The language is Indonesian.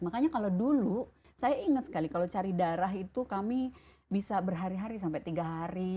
makanya kalau dulu saya ingat sekali kalau cari darah itu kami bisa berhari hari sampai tiga hari